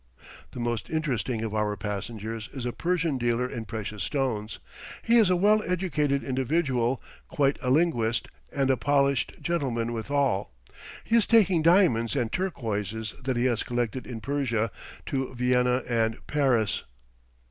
The most interesting of our passengers is a Persian dealer in precious stones. He is a well educated individual, quite a linguist, and a polished gentleman withal. He is taking diamonds and turquoises that he has collected in Persia, to Vienna and Paris.